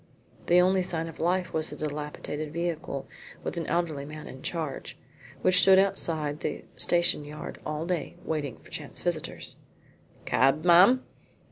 The only sign of life was a dilapidated vehicle with an elderly man in charge, which stood outside the station yard all day waiting for chance visitors. "Cab, ma'am?"